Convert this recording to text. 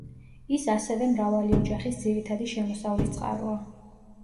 ის ასევე მრავალი ოჯახის ძირითადი შემოსავლის წყაროა.